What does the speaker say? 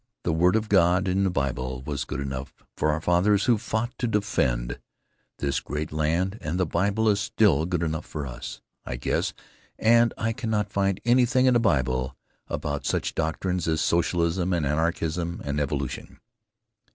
The Word of God in the Bible was good enough for our fathers who fought to defend this great land, and the Bible is still good enough for us, I guess—and I cannot find anything in the Bible about such doctrines as socialism and anarchism and evolution.